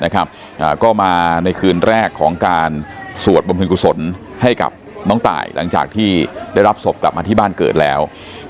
ก็มาในคืนแรกของการสวดบำเพ็ญกุศลให้กับน้องตายหลังจากที่ได้รับศพกลับมาที่บ้านเกิดแล้ว